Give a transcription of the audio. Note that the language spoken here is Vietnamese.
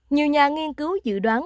nhiều nhà nghiên cứu dự đoán